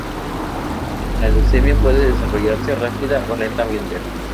La leucemia puede desarrollarse rápida o lentamente.